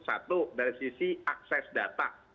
satu dari sisi akses data